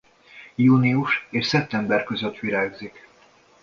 Június és szeptember között virágzik.